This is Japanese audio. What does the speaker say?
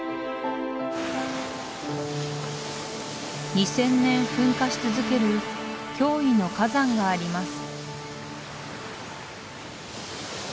２０００年噴火し続ける驚異の火山があります